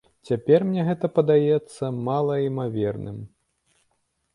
Цяпер мне гэта падаецца малаімаверным.